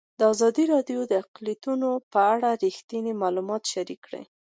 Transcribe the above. ازادي راډیو د اقلیتونه په اړه رښتیني معلومات شریک کړي.